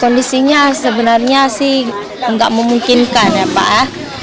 kondisinya sebenarnya sih nggak memungkinkan ya pak